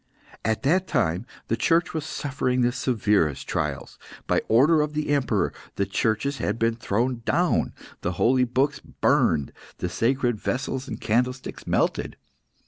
At that time the Church was suffering the severest trials. By order of the Emperor, the churches had been thrown down, the holy books burned, the sacred vessels and candlesticks melted.